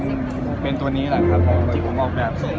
ใช่ครับก็เป็นตัวนี้แหละครับที่ผมออกแบบนี้